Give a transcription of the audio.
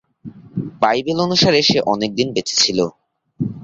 Bible অনুসারে সে অনেকদিন বেঁচে ছিল।